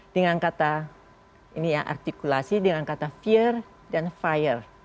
dengan kata ini ya artikulasi dengan kata fear dan fire